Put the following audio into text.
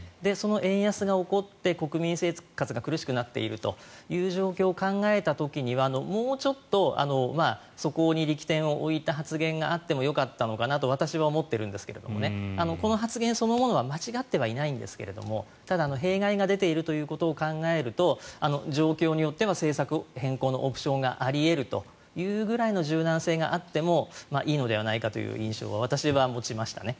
円安が起こって国民生活が苦しくなっている状況を考えた時にもうちょっとそこに力点を置いた発言があってもよかったのではないかと私は思っているんですけどこの発言そのものは間違ってはいないんですがただ、弊害が出ているということを考えると状況によっては政策変更のオプションがあり得るというぐらいの柔軟性があってもいいのではないかという印象は私は持ちましたね。